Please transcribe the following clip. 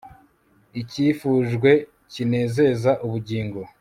icyifujwe kinezeza ubugingo